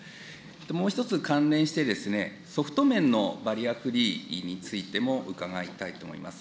もう１つ、関連して、ソフト面のバリアフリーについても伺いたいと思います。